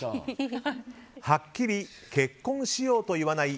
はっきり「結婚しよう」と言わない